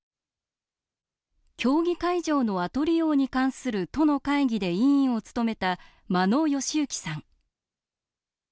競技会場の後利用に関する都の会議で委員を務めた間野義之さん。